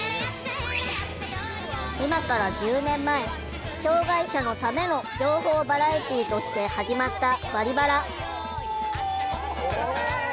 今から１０年前「障害者のための情報バラエティー」として始まった「バリバラ」。